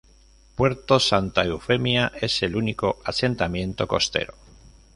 Puerto Santa Eufemia es el único asentamiento costero.